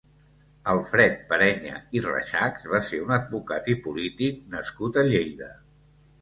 Alfred Perenya i Reixachs va ser un advocat i polític nascut a Lleida.